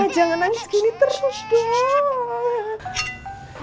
hah jangan nangis gini terus dong